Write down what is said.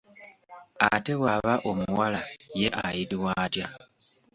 Ate bw'aba omuwala ye ayitibwa atya?